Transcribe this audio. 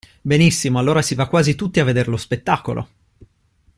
Benissimo allora si va quasi tutti a vedere lo spettacolo!